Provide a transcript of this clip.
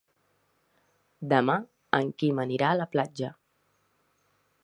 Demà en Quim anirà a la platja.